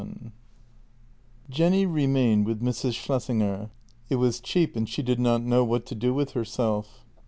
VII J ENNY remained with Mrs. Schlessinger; it was cheap, and she did not know what to do with herself.